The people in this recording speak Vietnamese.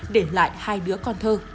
để lại hai đứa con thơ